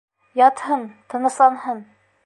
Ятһын, тынысланһын.